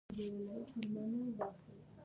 په افغانستان کې ډېر ښکلي سیلاني ځایونه شتون لري.